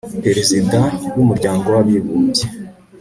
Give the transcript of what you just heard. perezida wu muryango wabibumbye